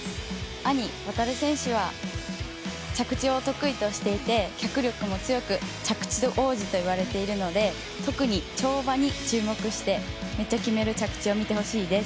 兄・航選手は着地を得意としていて脚力も強く着地王子といわれているので、特に、跳馬に注目してめっちゃ決める着地を見てほしいです。